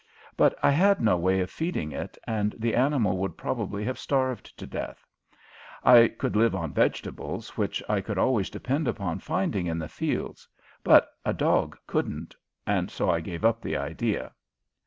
But I had no way of feeding it and the animal would probably have starved to death. I could live on vegetables which I could always depend upon finding in the fields, but a dog couldn't, and so I gave up the idea.